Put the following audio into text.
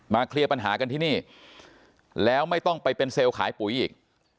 เคลียร์ปัญหากันที่นี่แล้วไม่ต้องไปเป็นเซลล์ขายปุ๋ยอีก